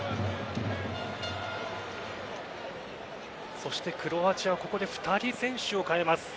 そしてクロアチアはここで２人、選手を代えます。